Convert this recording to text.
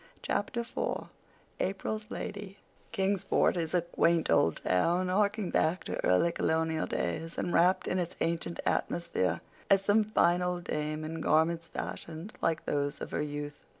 Chapter IV April's Lady Kingsport is a quaint old town, hearking back to early Colonial days, and wrapped in its ancient atmosphere, as some fine old dame in garments fashioned like those of her youth.